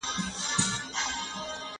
ځینې ناروغان په کوما کې ساتل شوي وو.